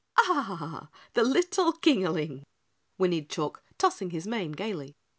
"Ah, the little Kingaling!" whinnied Chalk, tossing his mane gaily.